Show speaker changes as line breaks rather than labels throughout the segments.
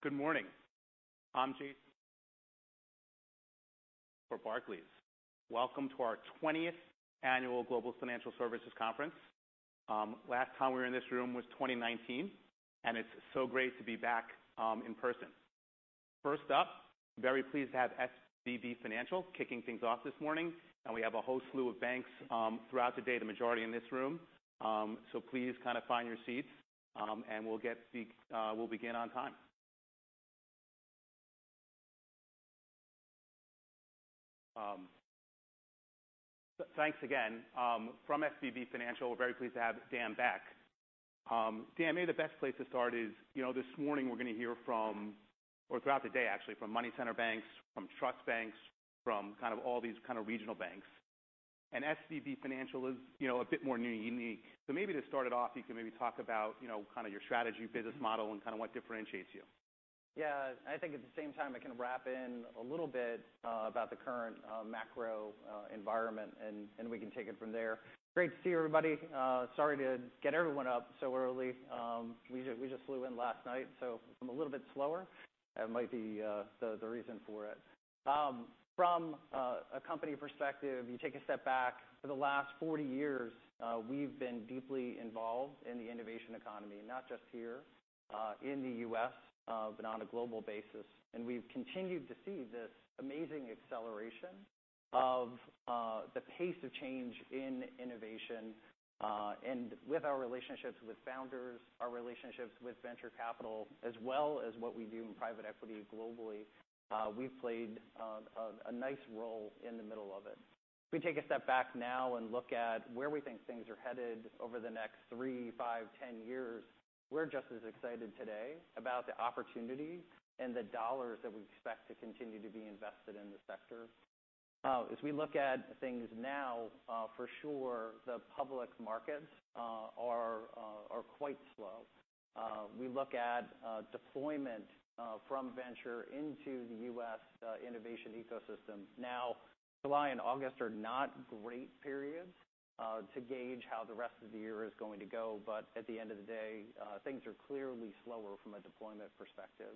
Good morning. I'm Jase for Barclays. Welcome to our 20th annual Global Financial Services Conference. Last time we were in this room was 2019, and it's so great to be back, in person. First up, very pleased to have SVB Financial kicking things off this morning, and we have a whole slew of banks, throughout the day, the majority in this room, so please kind of find your seats, and we'll get, we'll begin on time. Thanks again. From SVB Financial, we're very pleased to have Dan Beck. Dan, maybe the best place to start is, you know, this morning we're gonna hear from, or throughout the day actually, from money center banks, from trust banks, from kind of all these kind of regional banks, and SVB Financial is, you know, a bit more new and unique. So maybe to start it off, you can maybe talk about, you know, kind of your strategy, business model, and kind of what differentiates you.
Yeah. I think at the same time I can wrap in a little bit about the current macro environment, and we can take it from there. Great to see everybody. Sorry to get everyone up so early. We just flew in last night, so I'm a little bit slower. That might be the reason for it. From a company perspective, you take a step back. For the last 40 years, we've been deeply involved in the innovation economy, not just here in the U.S., but on a global basis, and we've continued to see this amazing acceleration of the pace of change in innovation, and with our relationships with founders, our relationships with venture capital, as well as what we do in private equity globally, we've played a nice role in the middle of it. If we take a step back now and look at where we think things are headed over the next three, 5, 10 years, we're just as excited today about the opportunity and the dollars that we expect to continue to be invested in the sector. As we look at things now, for sure, the public markets are quite slow. We look at deployment from venture into the U.S. innovation ecosystem. Now, July and August are not great periods to gauge how the rest of the year is going to go, but at the end of the day, things are clearly slower from a deployment perspective.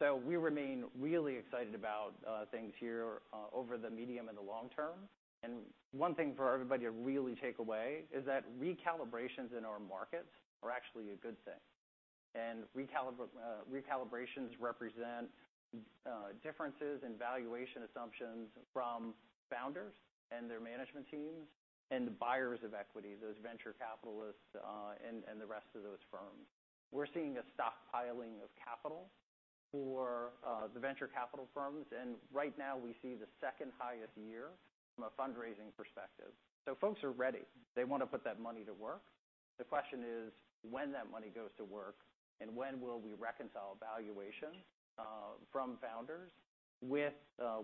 So we remain really excited about things here over the medium and the long term. And one thing for everybody to really take away is that recalibrations in our markets are actually a good thing. Recalibrations represent differences in valuation assumptions from founders and their management teams and the buyers of equity, those venture capitalists, and the rest of those firms. We're seeing a stockpiling of capital for the venture capital firms, and right now we see the second highest year from a fundraising perspective. Folks are ready. They wanna put that money to work. The question is, when that money goes to work, and when will we reconcile valuation from founders with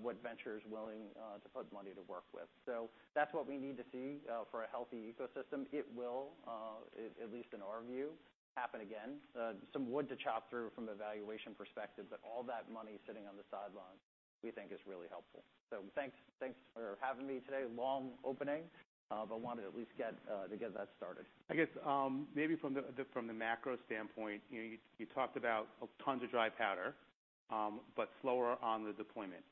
what venture's willing to put money to work with? That's what we need to see for a healthy ecosystem. It will, at least in our view, happen again. Some wood to chop through from a valuation perspective, but all that money sitting on the sidelines we think is really helpful. Thanks for having me today. Long opening, but wanted to at least get that started.
I guess, maybe from the macro standpoint, you know, you talked about tons of dry powder, but slower on the deployment.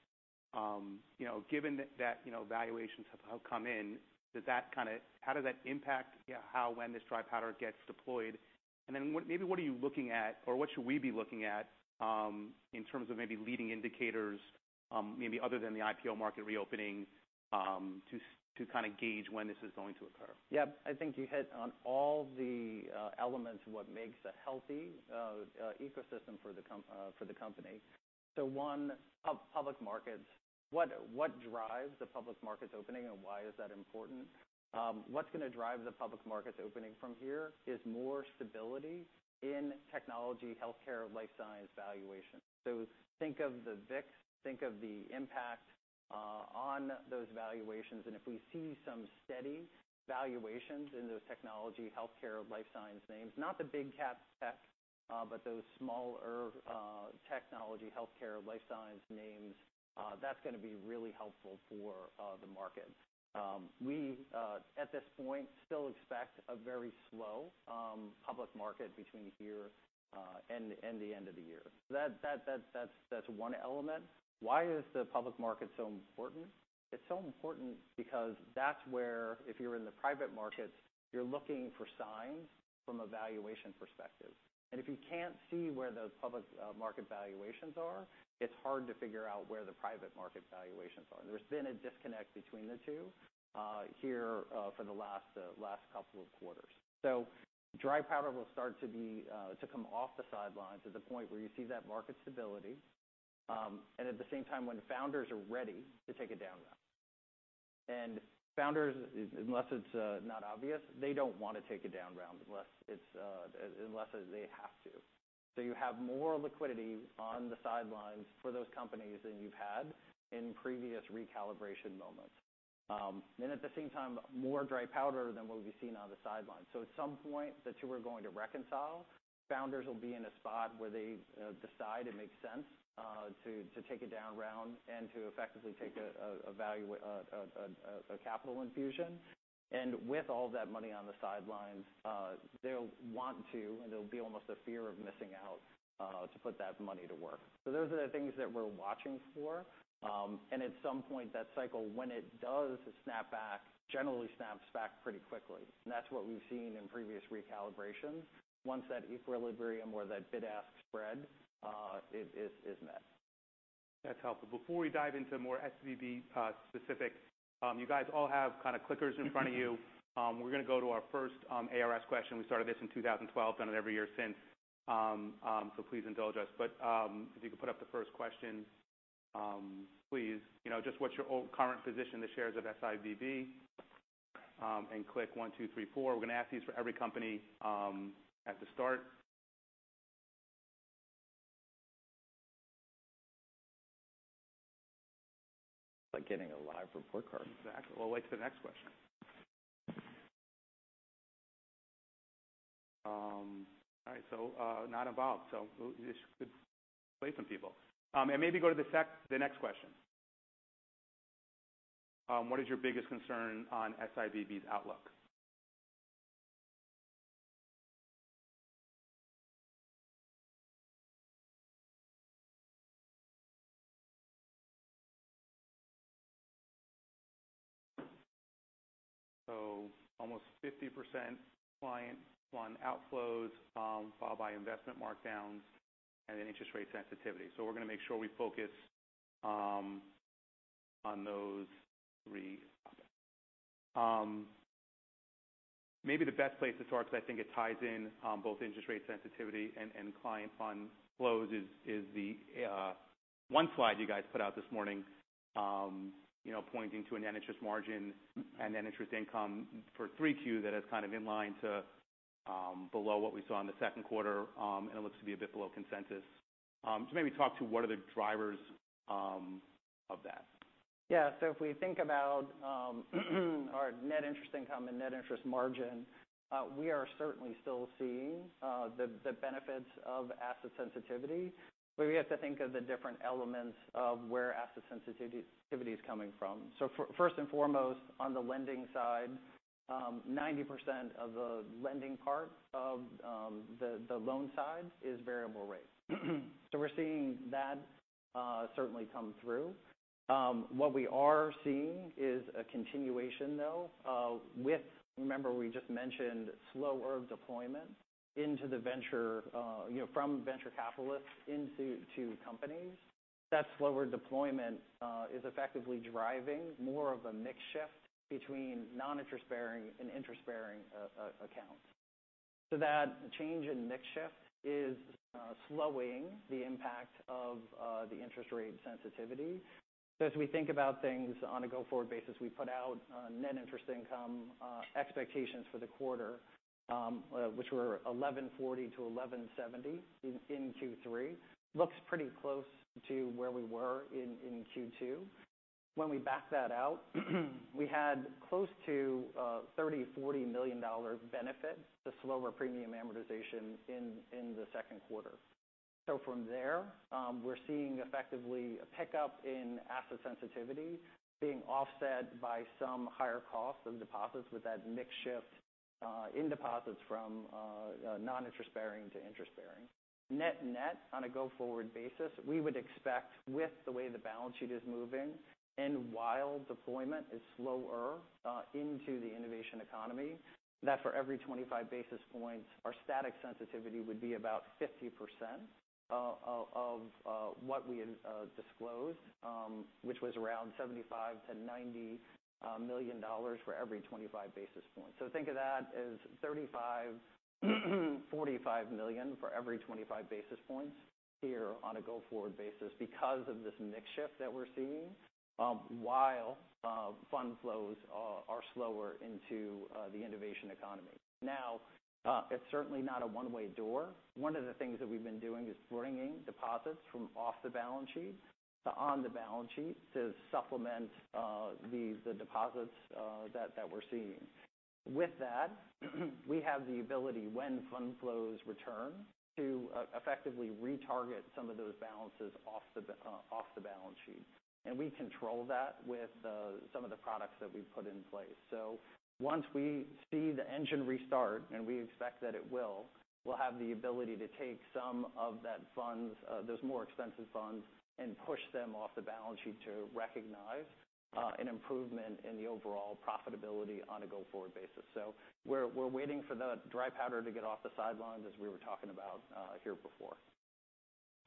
You know, given that valuations have come in, how does that impact, you know, how when this dry powder gets deployed? And then, what are you looking at, or what should we be looking at, in terms of maybe leading indicators, maybe other than the IPO market reopening, to kinda gauge when this is going to occur?
Yep. I think you hit on all the elements of what makes a healthy ecosystem for the company. So one, public markets. What drives the public markets opening, and why is that important? What's gonna drive the public markets opening from here is more stability in technology, healthcare, life science valuations. So think of the VIX, think of the impact on those valuations, and if we see some steady valuations in those technology, healthcare, life science names, not the big cap tech, but those smaller technology, healthcare, life science names, that's gonna be really helpful for the market. We at this point still expect a very slow public market between here and the end of the year. So that's one element. Why is the public market so important? It's so important because that's where, if you're in the private markets, you're looking for signs from a valuation perspective. If you can't see where the public market valuations are, it's hard to figure out where the private market valuations are. There's been a disconnect between the two here for the last, last couple of quarters. So dry powder will start to come off the sidelines at the point where you see that market stability, and at the same time when founders are ready to take a down round. And founders, unless it's not obvious, they don't wanna take a down round unless they have to. So you have more liquidity on the sidelines for those companies than you've had in previous recalibration moments, and at the same time, more dry powder than what we've seen on the sidelines. So at some point, the two are going to reconcile. Founders will be in a spot where they decide it makes sense to take a down round and to effectively take a valuation, a capital infusion. And with all that money on the sidelines, they'll want to, and there'll be almost a fear of missing out, to put that money to work. So those are the things that we're watching for, and at some point that cycle, when it does snap back, generally snaps back pretty quickly, and that's what we've seen in previous recalibrations once that equilibrium or that bid-ask spread is met.
That's helpful. Before we dive into more SVB-specific, you guys all have kinda clickers in front of you. We're gonna go to our first ARS question. We started this in 2012, done it every year since. So please indulge us. But if you could put up the first question, please. You know, just what's your current position, the shares of SIVB, and click 1, 2, 3, 4. We're gonna ask these for every company, at the start. Like getting a live report card. Exactly. We'll wait for the next question. All right. So, not involved. So this could play for people. And maybe go to the next question. What is your biggest concern on SIVB's outlook? So almost 50% client on outflows, followed by investment markdowns and then interest rate sensitivity. So we're gonna make sure we focus on those three. Maybe the best place to start, 'cause I think it ties in both interest rate sensitivity and client fund flows is the one slide you guys put out this morning, you know, pointing to a net interest margin and net interest income for 3Q that is kind of in line to below what we saw in the second quarter, and it looks to be a bit below consensus. So maybe talk to what are the drivers of that.
Yeah. So if we think about our net interest income and net interest margin, we are certainly still seeing the benefits of asset sensitivity, but we have to think of the different elements of where asset sensitivity's coming from. So first and foremost, on the lending side, 90% of the lending part of the loan side is variable rate. So we're seeing that certainly come through. What we are seeing is a continuation, though, with remember we just mentioned slower deployment into the venture, you know, from venture capitalists into companies. That slower deployment is effectively driving more of a mix shift between non-interest bearing and interest bearing accounts. So that change in mix shift is slowing the impact of the interest rate sensitivity. So as we think about things on a go-forward basis, we put out net interest income expectations for the quarter, which were $1,140-$1,170 in Q3. Looks pretty close to where we were in Q2. When we back that out, we had close to $30-$40 million dollar benefit to slower premium amortization in the second quarter. So from there, we're seeing effectively a pickup in asset sensitivity being offset by some higher cost of deposits with that mix shift in deposits from non-interest bearing to interest bearing. Net-net, on a go-forward basis, we would expect with the way the balance sheet is moving and while deployment is slower into the innovation economy, that for every 25 basis points, our static sensitivity would be about 50% of what we had disclosed, which was around $75-$90 million dollars for every 25 basis points. So think of that as $35-$45 million for every 25 basis points here on a go-forward basis because of this mix shift that we're seeing, while fund flows are slower into the innovation economy. Now, it's certainly not a one-way door. One of the things that we've been doing is bringing deposits from off the balance sheet to on the balance sheet to supplement the deposits that we're seeing. With that, we have the ability when fund flows return to effectively retarget some of those balances off the balance sheet. And we control that with some of the products that we've put in place. So once we see the engine restart, and we expect that it will, we'll have the ability to take some of that funds, those more expensive funds, and push them off the balance sheet to recognize an improvement in the overall profitability on a go-forward basis. So we're waiting for the dry powder to get off the sidelines as we were talking about here before.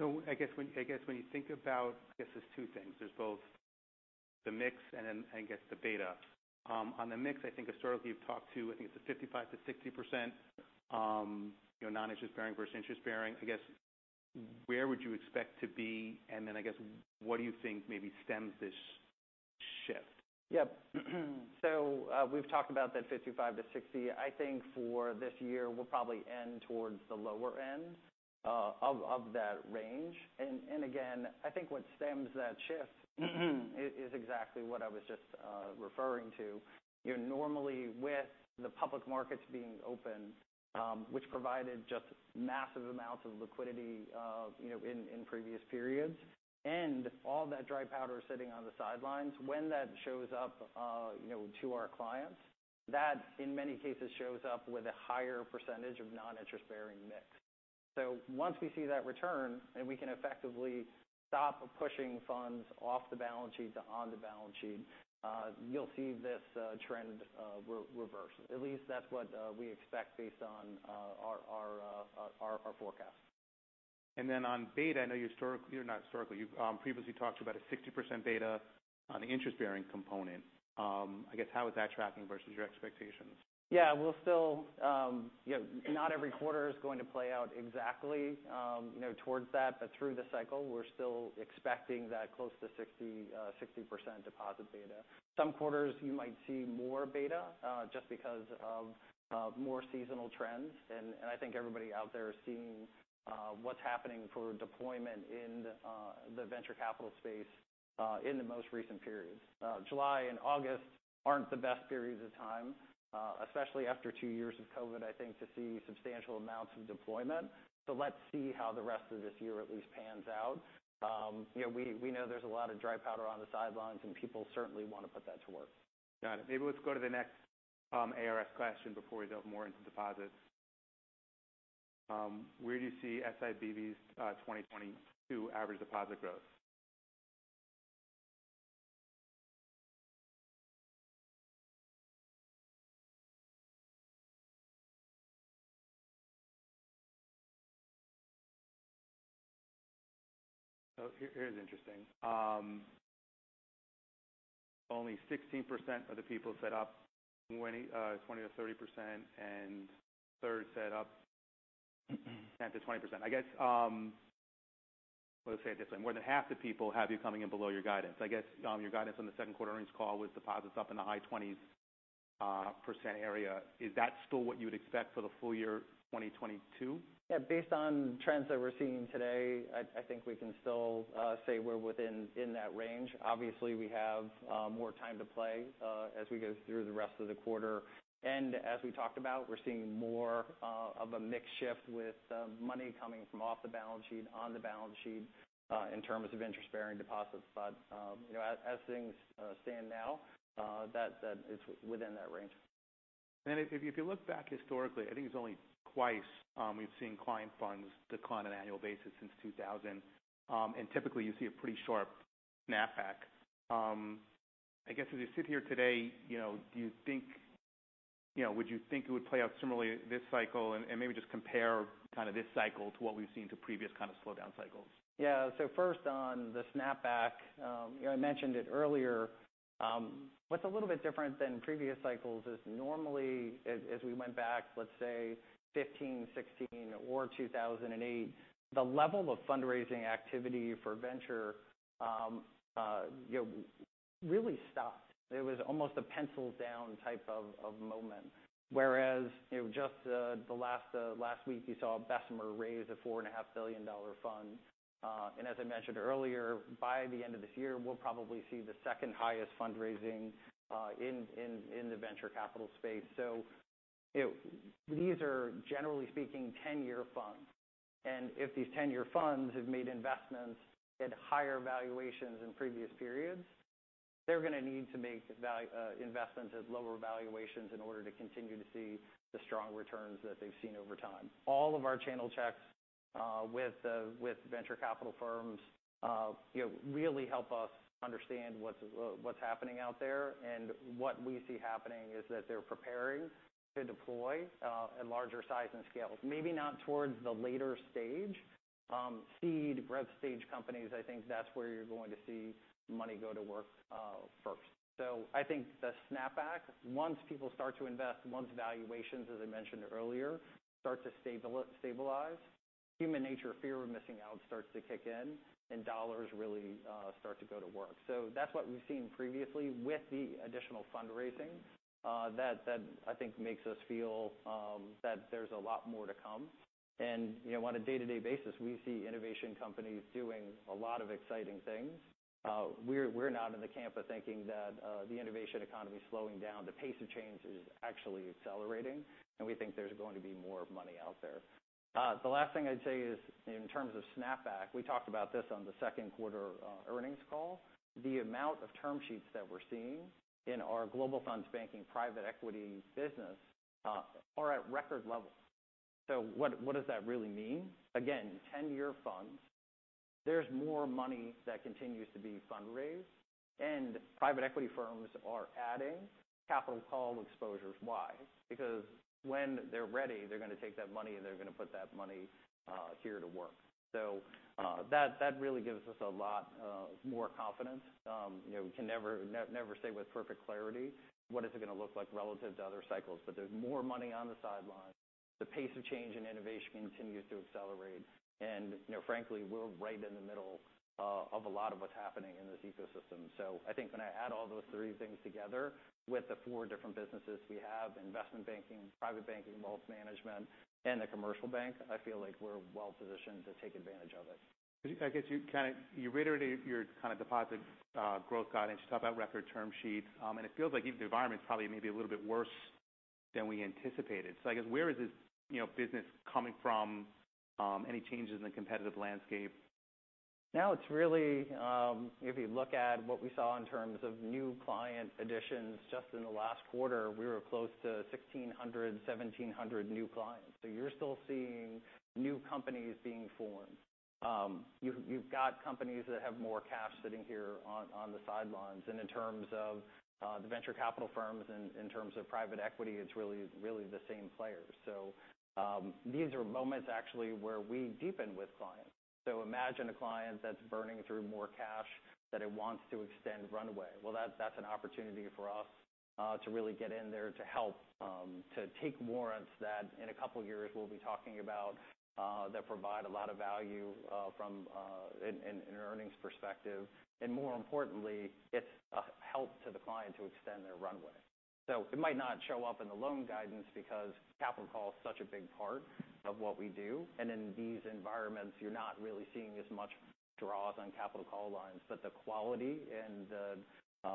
So I guess when you think about, I guess there's two things. There's both the mix and then, I guess, the beta. On the mix, I think historically you've talked to, I think it's a 55%-60%, you know, non-interest bearing versus interest bearing. I guess where would you expect to be, and then I guess what do you think maybe stems this shift?
Yep. So, we've talked about that 55 to 60. I think for this year we'll probably end towards the lower end of that range. And again, I think what stems that shift is exactly what I was just referring to. You know, normally with the public markets being open, which provided just massive amounts of liquidity, you know, in previous periods, and all that dry powder sitting on the sidelines, when that shows up, you know, to our clients, that in many cases shows up with a higher percentage of non-interest bearing mix. So once we see that return, and we can effectively stop pushing funds off the balance sheet to on the balance sheet, you'll see this trend reverse. At least that's what we expect based on our forecast.
And then on beta, I know you historically or not historically, you've previously talked about a 60% beta on the interest bearing component. I guess how is that tracking versus your expectations?
Yeah. We'll still, you know, not every quarter is going to play out exactly, you know, towards that, but through the cycle we're still expecting that close to 60-60% deposit beta. Some quarters you might see more beta, just because of more seasonal trends. And I think everybody out there is seeing what's happening for deployment in the venture capital space in the most recent periods. July and August aren't the best periods of time, especially after two years of COVID, I think, to see substantial amounts of deployment. So let's see how the rest of this year at least pans out. You know, we know there's a lot of dry powder on the sidelines, and people certainly wanna put that to work.
Got it. Maybe let's go to the next ARS question before we go more into deposits. Where do you see SVB's 2022 average deposit growth? Oh, here, here's interesting. Only 16% of the people set up 20 to 30%, and a third set up 10%-20%. I guess, let's say it this way. More than half the people have you coming in below your guidance. I guess, your guidance on the second quarter earnings call was deposits up in the high 20s% area. Is that still what you would expect for the full year 2022?
Yeah. Based on trends that we're seeing today, I think we can still say we're within that range. Obviously, we have more time to play, as we go through the rest of the quarter. And as we talked about, we're seeing more of a mix shift with money coming from off the balance sheet, on the balance sheet, in terms of interest bearing deposits. But you know, as things stand now, that is within that range.
If you look back historically, I think it's only twice we've seen client funds decline on an annual basis since 2000. Typically you see a pretty sharp snapback. I guess as you sit here today, you know, do you think, you know, would you think it would play out similarly this cycle and maybe just compare kinda this cycle to what we've seen to previous kinda slowdown cycles?
Yeah. So first on the snapback, you know, I mentioned it earlier. What's a little bit different than previous cycles is normally as we went back, let's say 2015, 2016, or 2008, the level of fundraising activity for venture, you know, really stopped. It was almost a pencil down type of moment. Whereas, you know, just the last week you saw Bessemer raise a $4.5 billion fund, and as I mentioned earlier, by the end of this year we'll probably see the second highest fundraising in the venture capital space. So, you know, these are generally speaking 10-year funds. And if these 10-year funds have made investments at higher valuations in previous periods, they're gonna need to make investments at lower valuations in order to continue to see the strong returns that they've seen over time. All of our channel checks with venture capital firms, you know, really help us understand what's happening out there. What we see happening is that they're preparing to deploy at larger size and scale. Maybe not towards the later stage seed, rev stage companies. I think that's where you're going to see money go to work first. I think the snapback, once people start to invest, once valuations, as I mentioned earlier, start to stabilize, human nature, fear of missing out starts to kick in, and dollars really start to go to work. That's what we've seen previously with the additional fundraising that I think makes us feel that there's a lot more to come. You know, on a day-to-day basis, we see innovation companies doing a lot of exciting things. We're not in the camp of thinking that the innovation economy's slowing down. The pace of change is actually accelerating, and we think there's going to be more money out there. The last thing I'd say is in terms of snapback. We talked about this on the second quarter earnings call. The amount of term sheets that we're seeing in our global funds banking private equity business are at record levels. So what does that really mean? Again, 10-year funds, there's more money that continues to be fundraised, and private equity firms are adding capital call exposures. Why? Because when they're ready, they're gonna take that money, and they're gonna put that money here to work. So that really gives us a lot more confidence. You know, we can never never say with perfect clarity what it's gonna look like relative to other cycles. But there's more money on the sidelines. The pace of change and innovation continues to accelerate. And, you know, frankly, we're right in the middle of a lot of what's happening in this ecosystem. So I think when I add all those three things together with the four different businesses we have: investment banking, private banking, wealth management, and the commercial bank, I feel like we're well positioned to take advantage of it.
'Cause you, I guess, kinda reiterated your kinda deposit growth guidance. You talked about record term sheets. It feels like even the environment's probably maybe a little bit worse than we anticipated. So I guess where is this, you know, business coming from? Any changes in the competitive landscape?
Now it's really, if you look at what we saw in terms of new client additions just in the last quarter, we were close to 1,600-1,700 new clients. You're still seeing new companies being formed. You've got companies that have more cash sitting here on the sidelines. And in terms of the venture capital firms and in terms of private equity, it's really, really the same players. These are moments actually where we deepen with clients. Imagine a client that's burning through more cash that it wants to extend runway. That's an opportunity for us to really get in there to help, to take warrants that in a couple years we'll be talking about, that provide a lot of value from an earnings perspective. And more importantly, it's a help to the client to extend their runway. So it might not show up in the loan guidance because capital call's such a big part of what we do. And in these environments, you're not really seeing as much draws on capital call lines. But the quality and the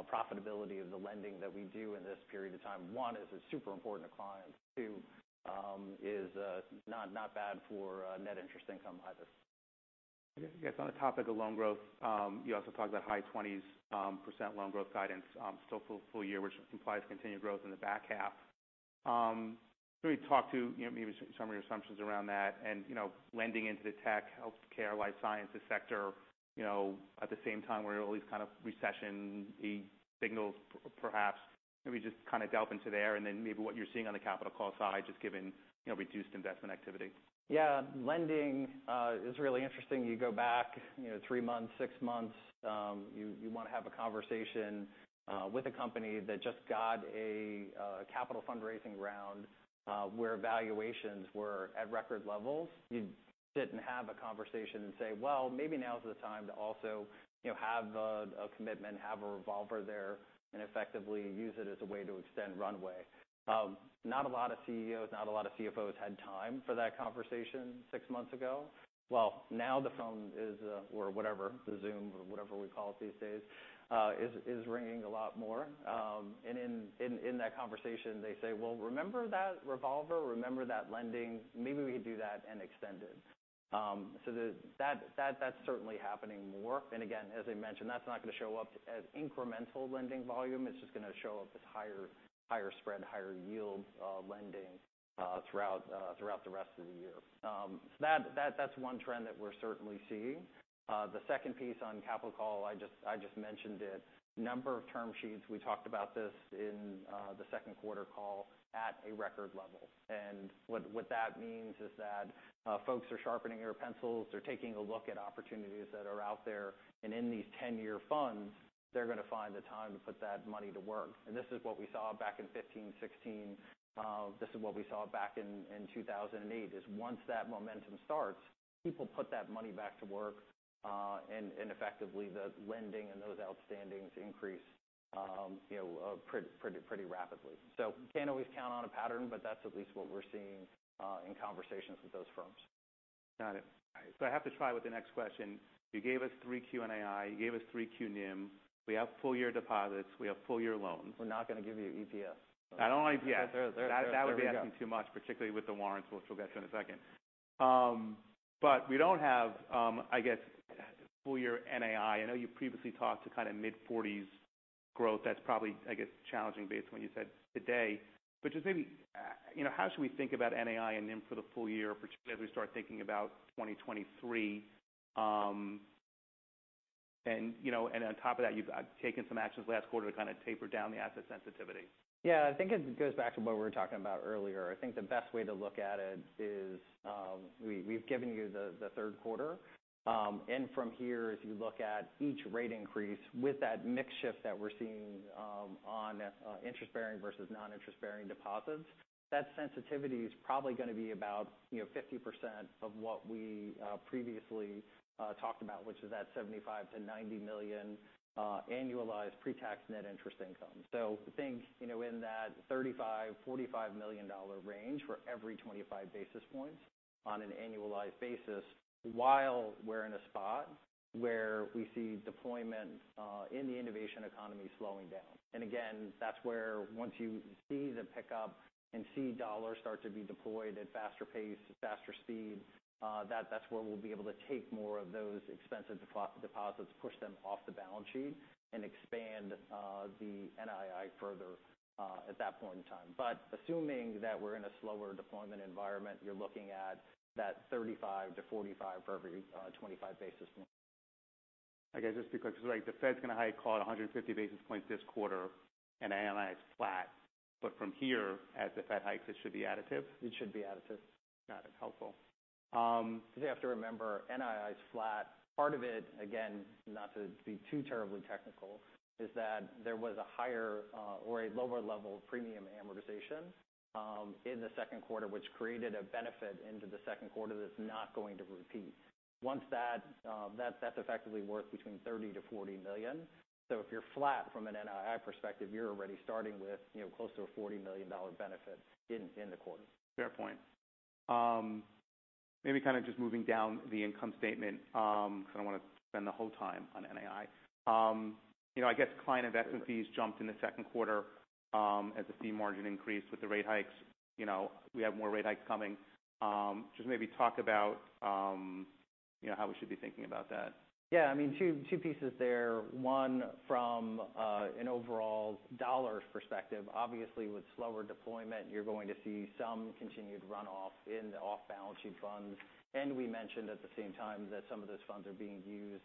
profitability of the lending that we do in this period of time, one, it's super important to clients. Two, it's not bad for net interest income either.
I guess on the topic of loan growth, you also talked about high 20s% loan growth guidance, still full year, which implies continued growth in the back half. Can we talk to, you know, maybe some of your assumptions around that and, you know, lending into the tech, healthcare, life sciences sector, you know, at the same time where all these kinda recession signals perhaps maybe just kinda delve into there and then maybe what you're seeing on the capital call side just given, you know, reduced investment activity?
Yeah. Lending is really interesting. You go back, you know, three months, six months. You wanna have a conversation with a company that just got a capital fundraising round, where valuations were at record levels. You didn't have a conversation and say, "Well, maybe now's the time to also, you know, have a commitment, have a revolver there, and effectively use it as a way to extend runway." Not a lot of CEOs, not a lot of CFOs had time for that conversation six months ago. Well, now the phone is, or whatever, the Zoom or whatever we call it these days, is ringing a lot more, and in that conversation they say, "Well, remember that revolver? Remember that lending? Maybe we could do that and extend it," so that's certainly happening more. Again, as I mentioned, that's not gonna show up as incremental lending volume. It's just gonna show up as higher spread, higher yield lending throughout the rest of the year. That's one trend that we're certainly seeing. The second piece on capital call, I just mentioned it. Number of term sheets. We talked about this in the second quarter call at a record level. What that means is that folks are sharpening their pencils. They're taking a look at opportunities that are out there. In these 10-year funds, they're gonna find the time to put that money to work. This is what we saw back in 2015, 2016. This is what we saw back in 2008: once that momentum starts, people put that money back to work, and effectively the lending and those outstandings increase, you know, pretty rapidly. So can't always count on a pattern, but that's at least what we're seeing in conversations with those firms.
Got it. So I have to try with the next question. You gave us three Q NII. You gave us three Q NIM. We have full year deposits. We have full year loans.
We're not gonna give you EPS.
I don't want EPS.
There.
That would be asking too much, particularly with the warrants, which we'll get to in a second. But we don't have, I guess, full year NII. I know you previously talked to kinda mid-40s% growth. That's probably, I guess, challenging based on what you said today. But just maybe, you know, how should we think about NII and NIM for the full year, particularly as we start thinking about 2023? And, you know, on top of that, you've taken some actions last quarter to kinda taper down the asset sensitivity.
Yeah. I think it goes back to what we were talking about earlier. I think the best way to look at it is, we've given you the third quarter. And from here, as you look at each rate increase with that mix shift that we're seeing, on interest bearing versus non-interest bearing deposits, that sensitivity's probably gonna be about, you know, 50% of what we previously talked about, which is that $75-$90 million, annualized pre-tax net interest income. So think, you know, in that $35-$45 million range for every 25 basis points on an annualized basis while we're in a spot where we see deployment in the innovation economy slowing down. Again, that's where once you see the pickup and see dollars start to be deployed at faster pace, faster speed, that, that's where we'll be able to take more of those expensive deposits, push them off the balance sheet, and expand the NIM further, at that point in time. But assuming that we're in a slower deployment environment, you're looking at that 35-45 for every 25 basis points.
I guess just to be clear, 'cause like the Fed's gonna hike call it 150 basis points this quarter, and NII is flat. But from here, as the Fed hikes, it should be additive?
It should be additive.
Got it. Helpful.
'Cause you have to remember NII is flat. Part of it, again, not to be too terribly technical, is that there was a higher, or a lower level of premium amortization, in the second quarter, which created a benefit into the second quarter that's not going to repeat. Once that that's effectively worth between $30-$40 million. So if you're flat from an NII perspective, you're already starting with, you know, close to a $40 million benefit in the quarter.
Fair point. Maybe kinda just moving down the income statement, 'cause I don't wanna spend the whole time on NII. You know, I guess client investment fees jumped in the second quarter, as the fee margin increased with the rate hikes. You know, we have more rate hikes coming. Just maybe talk about, you know, how we should be thinking about that.
Yeah. I mean, two pieces there. One from an overall dollar perspective. Obviously, with slower deployment, you're going to see some continued runoff in the off-balance sheet funds. And we mentioned at the same time that some of those funds are being used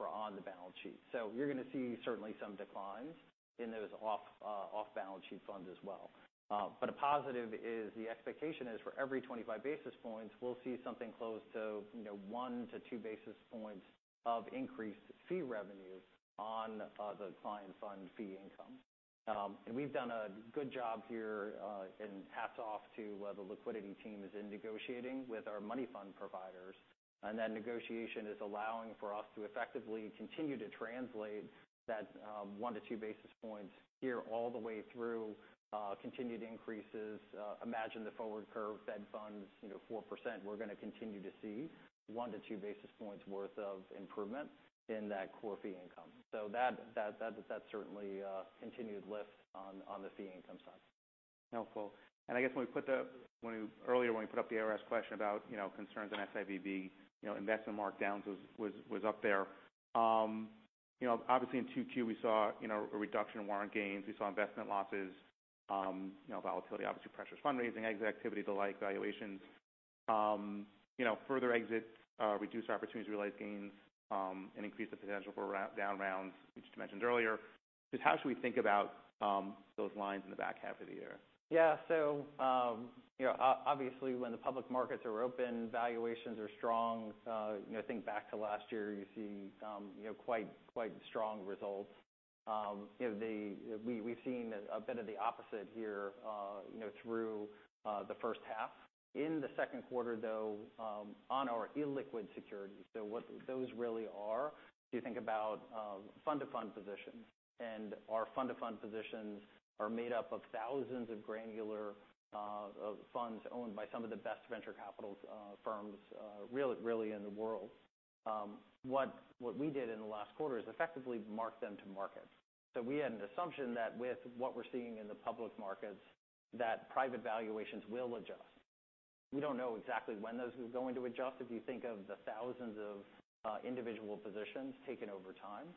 for on the balance sheet. So you're gonna see certainly some declines in those off-balance sheet funds as well. A positive is the expectation is for every 25 basis points, we'll see something close to, you know, one to two basis points of increased fee revenue on the client fund fee income. And we've done a good job here, and hats off to the liquidity team is in negotiating with our money fund providers. And that negotiation is allowing for us to effectively continue to translate that one to two basis points here all the way through continued increases. Imagine the forward curve Fed funds, you know, 4%. We're gonna continue to see one-two basis points worth of improvement in that core fee income. So that's certainly continued lift on the fee income side.
Helpful. And I guess when we earlier put up the ARS question about, you know, concerns on SIVB, you know, investment markdowns was up there. You know, obviously in Q2 we saw, you know, a reduction in warrant gains. We saw investment losses, you know, volatility. Obviously, pressure on fundraising, exit activity, like valuations. You know, further exits reduce opportunities to realize gains, and increase the potential for down rounds, which you mentioned earlier. Just how should we think about those lines in the back half of the year?
Yeah. So, you know, obviously when the public markets are open, valuations are strong. You know, think back to last year. You see, you know, quite strong results. You know, we've seen a bit of the opposite here, you know, through the first half. In the second quarter though, on our illiquid securities, so what those really are, if you think about fund-to-fund positions. And our fund-to-fund positions are made up of thousands of granular funds owned by some of the best venture capital firms really in the world. What we did in the last quarter is effectively mark them to market. So we had an assumption that with what we're seeing in the public markets, that private valuations will adjust. We don't know exactly when those are going to adjust. If you think of the thousands of individual positions taken over time,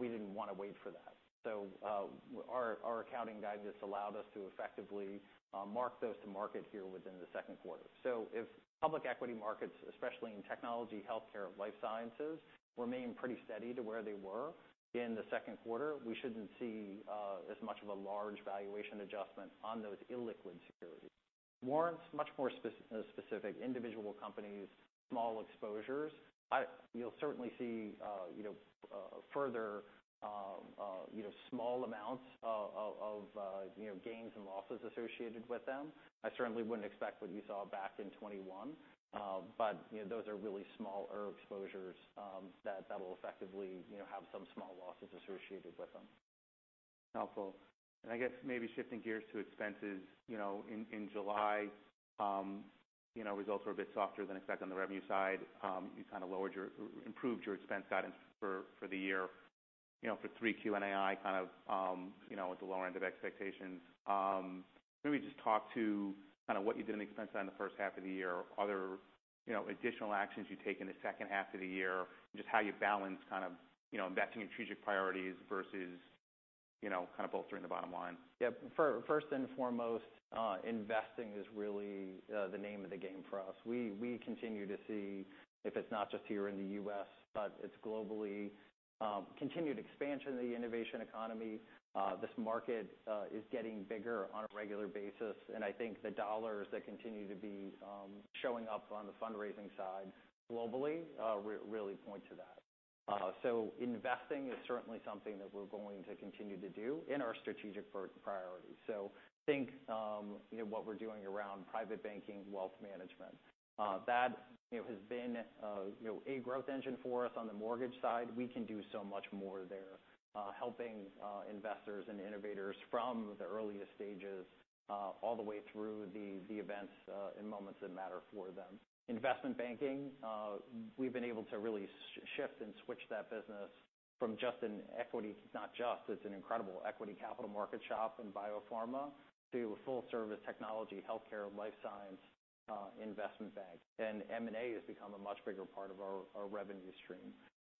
we didn't wanna wait for that. So, our accounting guidance allowed us to effectively mark those to market here within the second quarter. So if public equity markets, especially in technology, healthcare, life sciences, remain pretty steady to where they were in the second quarter, we shouldn't see as much of a large valuation adjustment on those illiquid securities. Warrants, much more specific individual companies, small exposures. You'll certainly see, you know, further, you know, small amounts of, you know, gains and losses associated with them. I certainly wouldn't expect what you saw back in 2021. But, you know, those are really smaller exposures, that'll effectively, you know, have some small losses associated with them.
Helpful. And I guess maybe shifting gears to expenses, you know, in July, you know, results were a bit softer than expected on the revenue side. You kinda improved your expense guidance for the year, you know, for 3Q and 4Q kind of, you know, at the lower end of expectations. Maybe just talk to kinda what you did in expense on the first half of the year. You know, additional actions you take in the second half of the year, just how you balance kind of, you know, investing in strategic priorities versus, you know, kinda bolstering the bottom line.
Yep. First and foremost, investing is really the name of the game for us. We continue to see, if it's not just here in the U.S., but it's globally, continued expansion of the innovation economy. This market is getting bigger on a regular basis. And I think the dollars that continue to be showing up on the fundraising side globally really point to that. So investing is certainly something that we're going to continue to do in our strategic priorities. So think, you know, what we're doing around private banking, wealth management. That, you know, has been, you know, a growth engine for us on the mortgage side. We can do so much more there, helping investors and innovators from the earliest stages, all the way through the events and moments that matter for them. Investment banking, we've been able to really shift and switch that business from just an equity, not just. It's an incredible equity capital market shop in biopharma to a full-service technology, healthcare, life science investment bank, and M&A has become a much bigger part of our revenue stream,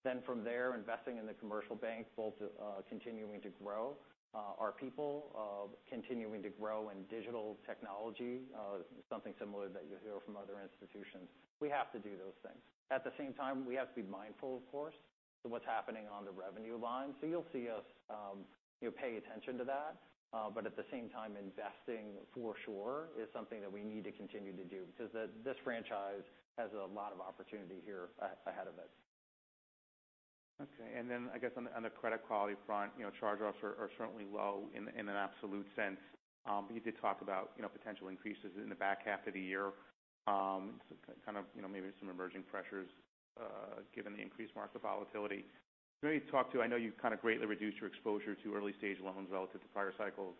then from there, investing in the commercial bank, both continuing to grow our people, continuing to grow in digital technology, something similar that you'll hear from other institutions. We have to do those things. At the same time, we have to be mindful, of course, of what's happening on the revenue line, so you'll see us, you know, pay attention to that, but at the same time, investing for sure is something that we need to continue to do 'cause this franchise has a lot of opportunity here ahead of it.
Okay. And then I guess on the credit quality front, you know, charge-offs are certainly low in an absolute sense. You did talk about, you know, potential increases in the back half of the year. So kind of, you know, maybe some emerging pressures, given the increased market volatility. Maybe talk to, I know you kinda greatly reduced your exposure to early-stage loans relative to prior cycles.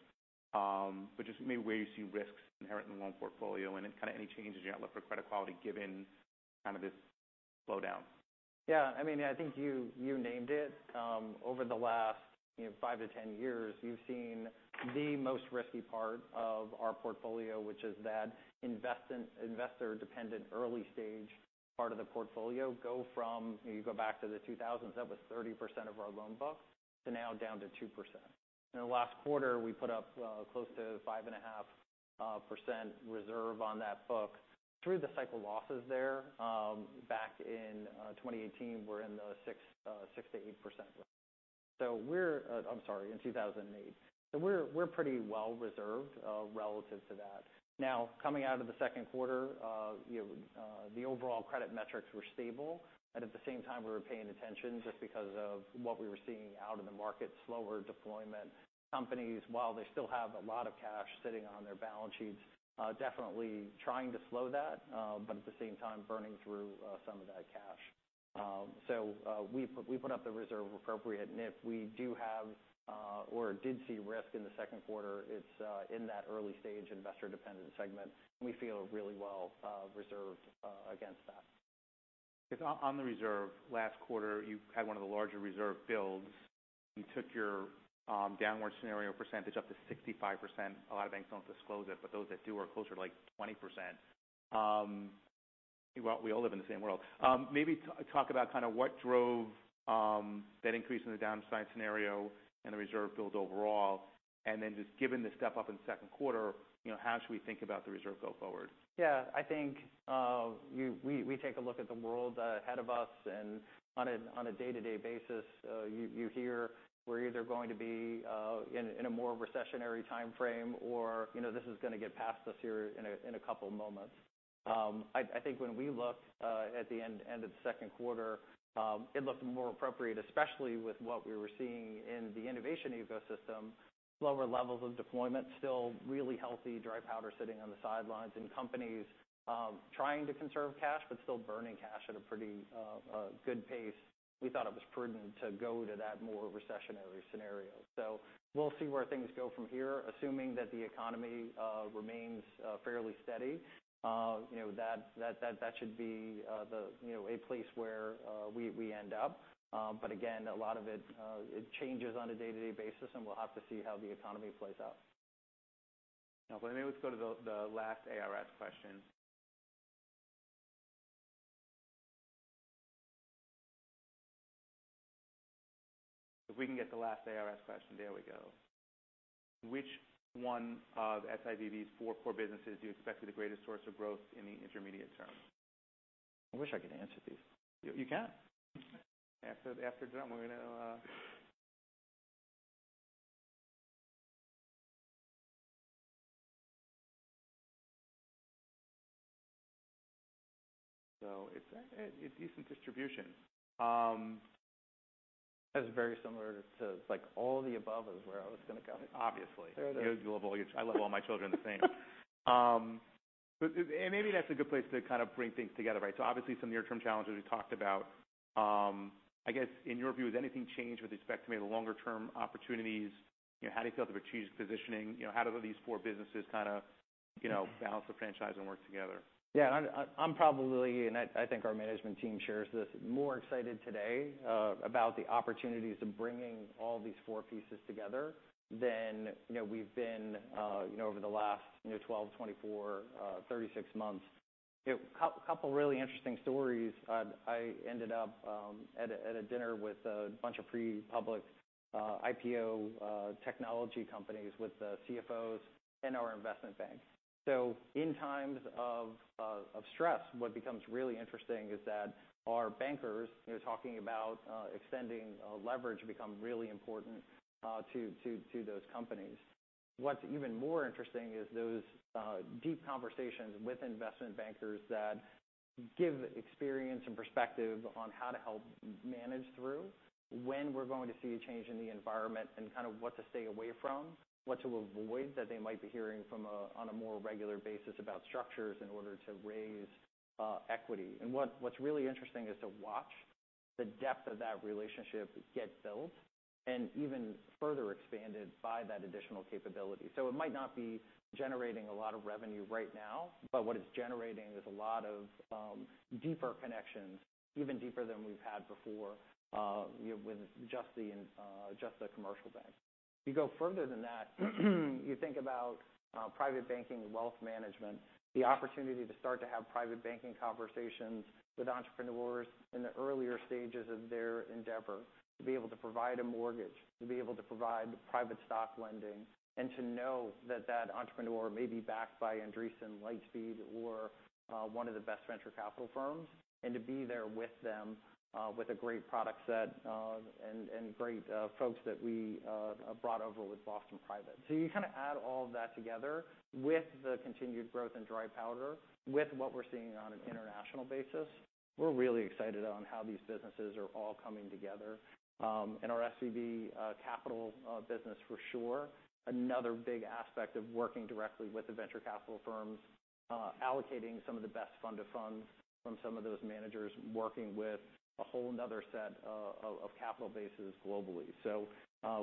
But just maybe where you see risks inherent in the loan portfolio and then kinda any changes you're gonna look for credit quality given kinda this slowdown.
Yeah. I mean, I think you named it. Over the last, you know, five to 10 years, you've seen the most risky part of our portfolio, which is that investment, investor-dependent early-stage part of the portfolio go from. You go back to the 2000s, that was 30% of our loan book to now down to 2%. In the last quarter, we put up close to 5.5% reserve on that book. Through the cycle losses there, back in 2008, we're in the 6% to 8% range. So we're pretty well-reserved, relative to that. Now, coming out of the second quarter, you know, the overall credit metrics were stable, and at the same time, we were paying attention just because of what we were seeing out in the market, slower deployment. Companies, while they still have a lot of cash sitting on their balance sheets, definitely trying to slow that, but at the same time, burning through some of that cash. We put up the reserve appropriate. If we do have or did see risk in the second quarter, it's in that early-stage investor-dependent segment. We feel really well reserved against that.
Cause on the reserve, last quarter, you had one of the larger reserve builds. You took your downside scenario percentage up to 65%. A lot of banks don't disclose it, but those that do are closer to like 20%. Well, we all live in the same world. Maybe talk about kinda what drove that increase in the downside scenario and the reserve build overall. And then just given the step-up in the second quarter, you know, how should we think about the reserve go forward?
Yeah. I think we take a look at the world ahead of us, and on a day-to-day basis, you hear we're either going to be in a more recessionary timeframe or, you know, this is gonna get past us here in a couple moments. I think when we look at the end of the second quarter, it looked more appropriate, especially with what we were seeing in the innovation ecosystem, lower levels of deployment, still really healthy dry powder sitting on the sidelines, and companies trying to conserve cash but still burning cash at a pretty good pace. We thought it was prudent to go to that more recessionary scenario. We'll see where things go from here, assuming that the economy remains fairly steady. You know, that should be a place where we end up. But again, a lot of it changes on a day-to-day basis, and we'll have to see how the economy plays out.
Helpful. Maybe let's go to the last ARS question. If we can get the last ARS question, there we go. Which one of SIVB's four core businesses do you expect to be the greatest source of growth in the intermediate term?
I wish I could answer these.
You can. After dinner, we're gonna. So it's a decent distribution. That's very similar to, like, all the above is where I was gonna go, obviously.
There it is.
You, you love all your children the same. And maybe that's a good place to kind of bring things together, right? So obviously, some near-term challenges we talked about. I guess in your view, has anything changed with respect to maybe the longer-term opportunities? You know, how do you feel about the strategic positioning? You know, how do these four businesses kinda, you know, balance the franchise and work together?
Yeah. And I'm probably, and I think our management team shares this, more excited today about the opportunities of bringing all these four pieces together than, you know, we've been, you know, over the last, you know, 12, 24, 36 months. You know, couple really interesting stories. I ended up at a dinner with a bunch of pre-public, IPO, technology companies with the CFOs and our investment bank. So in times of stress, what becomes really interesting is that our bankers, you know, talking about extending leverage become really important to those companies. What's even more interesting is those deep conversations with investment bankers that give experience and perspective on how to help manage through when we're going to see a change in the environment and kinda what to stay away from, what to avoid that they might be hearing from on a more regular basis about structures in order to raise equity. And what's really interesting is to watch the depth of that relationship get built and even further expanded by that additional capability. So it might not be generating a lot of revenue right now, but what it's generating is a lot of deeper connections, even deeper than we've had before, you know, with just the commercial bank. You go further than that. You think about private banking, wealth management, the opportunity to start to have private banking conversations with entrepreneurs in the earlier stages of their endeavor, to be able to provide a mortgage, to be able to provide private stock lending, and to know that that entrepreneur may be backed by Andreessen, Lightspeed, or one of the best venture capital firms, and to be there with them, with a great product set, and great folks that we brought over with Boston Private. So you kinda add all of that together with the continued growth in dry powder, with what we're seeing on an international basis. We're really excited on how these businesses are all coming together. And our SVB Capital business for sure, another big aspect of working directly with the venture capital firms, allocating some of the best fund of funds from some of those managers, working with a whole nother set of capital bases globally. So,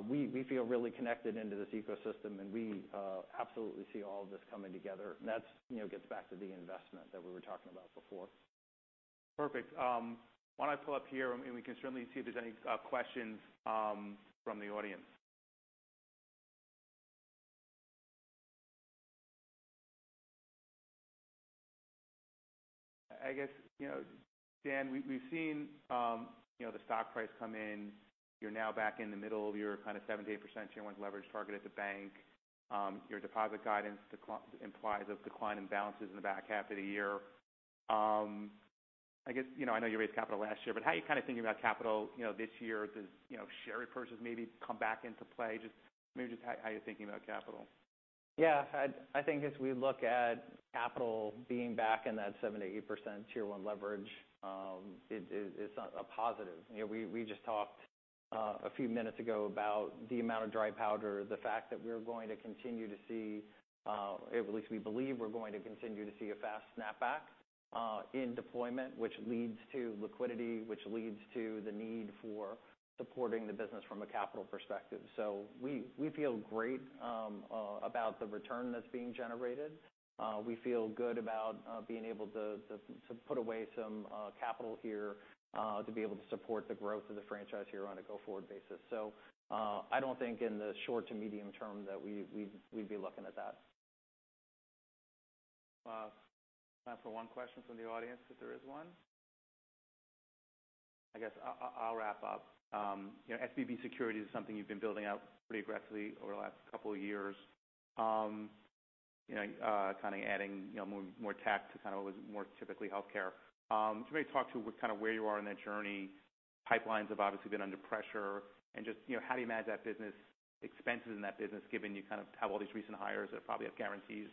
we feel really connected into this ecosystem, and we absolutely see all of this coming together. And that's, you know, gets back to the investment that we were talking about before.
Perfect. Why don't I pull up here? And we can certainly see if there's any questions from the audience. I guess, you know, Dan, we've seen, you know, the stock price come in. You're now back in the middle of your kinda 7-8 percentage point leverage target at the bank. Your deposit guidance decline implies a decline in balances in the back half of the year. I guess, you know, I know you raised capital last year, but how are you kinda thinking about capital, you know, this year? Do you know, share repurchase maybe come back into play? Just maybe how are you thinking about capital?
Yeah. I think as we look at capital being back in that 7%-8% tier one leverage, it's a positive. You know, we just talked a few minutes ago about the amount of dry powder, the fact that we're going to continue to see, at least we believe we're going to continue to see a fast snapback in deployment, which leads to liquidity, which leads to the need for supporting the business from a capital perspective. So we feel great about the return that's being generated. We feel good about being able to put away some capital here to be able to support the growth of the franchise here on a go-forward basis. So, I don't think in the short to medium term that we'd be looking at that.
Time for one question from the audience if there is one. I guess I'll wrap up. You know, SVB Securities is something you've been building out pretty aggressively over the last couple of years. You know, kinda adding, you know, more tech to kinda what was more typically healthcare. Can you maybe talk to kinda where you are in that journey? Pipelines have obviously been under pressure, and just, you know, how do you manage that business expenses in that business given you kind of have all these recent hires that probably have guarantees?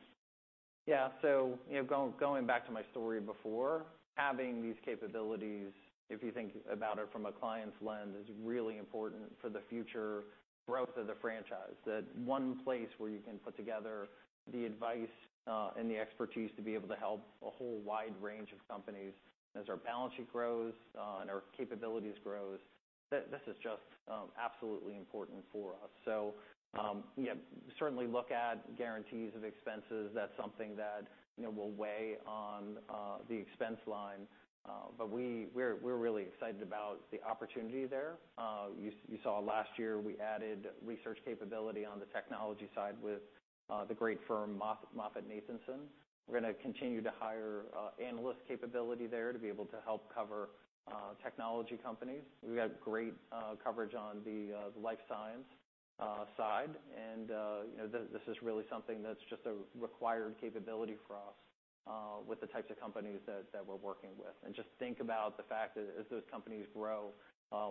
Yeah. So, you know, going back to my story before, having these capabilities, if you think about it from a client's lens, is really important for the future growth of the franchise. That one place where you can put together the advice, and the expertise to be able to help a whole wide range of companies as our balance sheet grows, and our capabilities grows, that this is just absolutely important for us. So, yeah, certainly look at guarantees of expenses. That's something that, you know, will weigh on the expense line. But we're really excited about the opportunity there. You saw last year we added research capability on the technology side with the great firm MoffettNathanson. We're gonna continue to hire analyst capability there to be able to help cover technology companies. We've got great coverage on the life science side. You know, this is really something that's just a required capability for us, with the types of companies that we're working with. Just think about the fact that as those companies grow,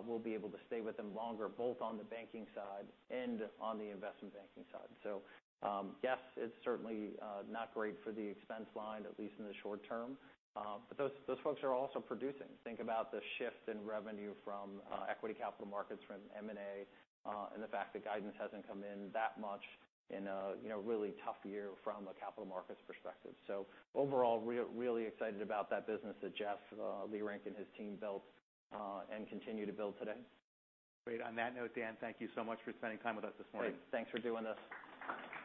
we'll be able to stay with them longer, both on the banking side and on the investment banking side. Yes, it's certainly not great for the expense line, at least in the short term, but those folks are also producing. Think about the shift in revenue from equity capital markets from M&A, and the fact that guidance hasn't come in that much in a you know, really tough year from a capital markets perspective. Overall, really excited about that business that Jeff Leerink and his team built, and continue to build today.
Great. On that note, Dan, thank you so much for spending time with us this morning.
Thanks. Thanks for doing this.